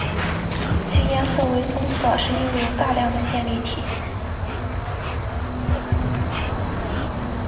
其颜色为棕色是因为有大量的线粒体。